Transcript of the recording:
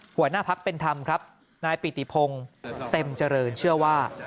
หัวหน้าพักเป็นธรรมครับนายปิติพงศ์เต็มเจริญเชื่อว่า